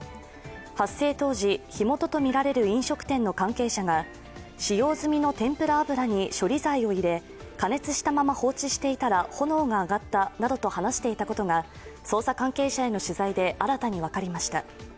発生当時火元とみられる飲食店の関係者が、使用済みの天ぷら油に処理剤を入れ加熱したまま放置していたら炎が上がったなどと話していたことが捜査関係者への取材で新たに分かりました。